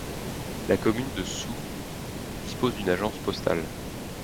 La commune de Soues dispose d'une agence postale.